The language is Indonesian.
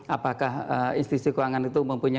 apakah institusi keuangan itu mempunyai